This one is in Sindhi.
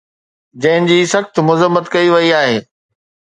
جنهن جي سخت مذمت ڪئي وئي آهي